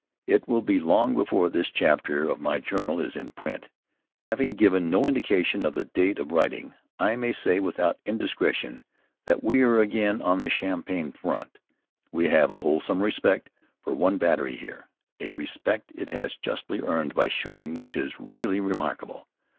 It will be long before this chapter of my journal is in print. Having given no indication of the date of writing, I may say, without indiscretion, that we are again on the Champagne front. We have a wholesome respect for one battery here, a respect it has justly earned by shooting which is really remarkable.